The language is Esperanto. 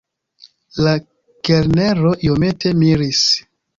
La kelnero iomete miris.